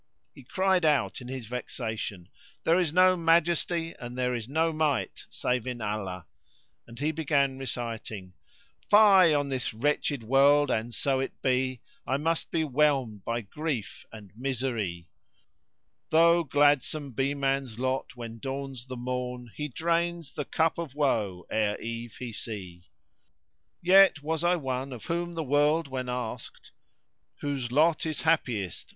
He cried out in his vexation "There is no Majesty and there is no Might save in Allah!" and he began reciting:— Fie on this wretched world, an so it be * I must be whelmed by grief and misery: Tho' gladsome be man's lot when dawns the morn * He drains the cup of woe ere eve he see: Yet was I one of whom the world when asked * "Whose lot is happiest?"